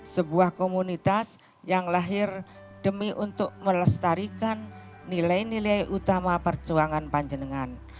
sebuah komunitas yang lahir demi untuk melestarikan nilai nilai utama perjuangan panjenengan